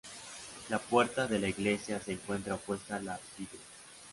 La puerta de la iglesia se encuentra opuesta al ábside.